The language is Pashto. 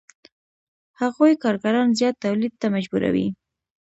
هغوی کارګران زیات تولید ته مجبوروي